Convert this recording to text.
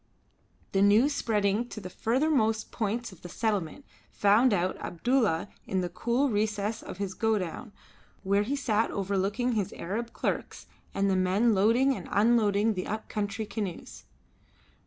The news spreading to the furthermost parts of the settlement found out Abdulla in the cool recess of his godown, where he sat overlooking his Arab clerks and the men loading and unloading the up country canoes.